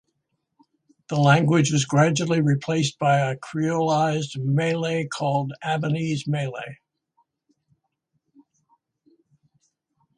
The language was gradually replaced by a creolised Malay called Ambonese Malay.